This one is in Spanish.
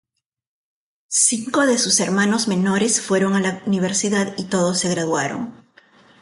Cinco de sus hermanos menores fueron a la universidad y todos se graduaron.